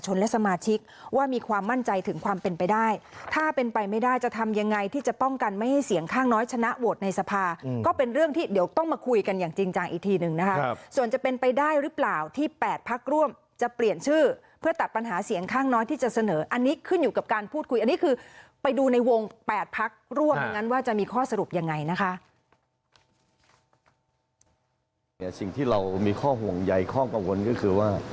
ชนและสมาชิกว่ามีความมั่นใจถึงความเป็นไปได้ถ้าเป็นไปไม่ได้จะทำยังไงที่จะป้องกันไม่ให้เสียงข้างน้อยชนะโหวตในสภาก็เป็นเรื่องที่เดี๋ยวต้องมาคุยกันอย่างจริงจังอีกทีหนึ่งนะฮะส่วนจะเป็นไปได้หรือเปล่าที่แปดพักร่วมจะเปลี่ยนชื่อเพื่อตัดปัญหาเสียงข้างน้อยที่จะเสนออันนี้ขึ้นอยู่กับการพู